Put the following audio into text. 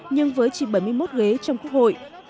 nhưng với chỉ bảy mươi một ghế trong quốc hội